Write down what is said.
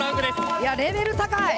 いやレベル高い！